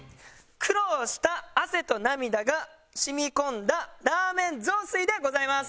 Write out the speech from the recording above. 苦労した汗と涙が染み込んだラーメン雑炊でございます。